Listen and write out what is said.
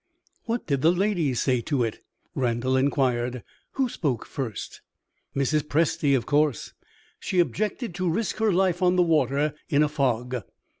"What did the ladies say to it?" Randal inquired. "Who spoke first?" "Mrs. Presty, of course! She objected to risk her life on the water, in a fog.